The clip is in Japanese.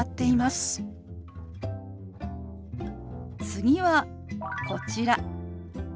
次はこちら。